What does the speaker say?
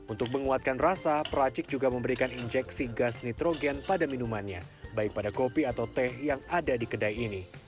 untuk menguatkan rasa peracik juga memberikan injeksi gas nitrogen pada minumannya baik pada kopi atau teh yang ada di kedai ini